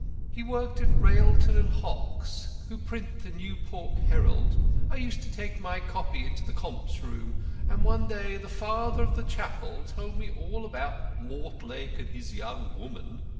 He worked at Railton and Hockes who print the New Pork Herald. I used to take my 'copy' into the comps' room, and one day the Father of the Chapel told me all about 'Mortlake and his young woman.'